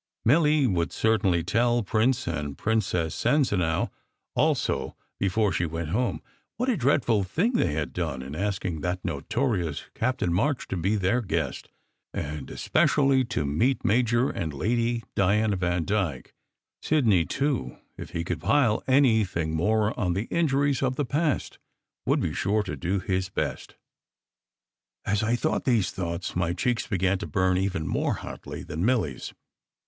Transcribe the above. Milly would certainly tell Prince and Princess Sanzanow, also, before she went home, what a dreadful thing they had done in asking "that notorious Captain March" to be their guest, and especially to meet Major and SECRET HISTORY 281 Lady Diana Vandyke. Sidney, too, if he could pile any thing more on the injuries of the past, would be sure to do his best. As I thought these thoughts my cheeks began to burn even more hotly than Milly s.